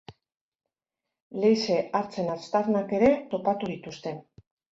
Leize-hartzen aztarnak ere topatu dituzte.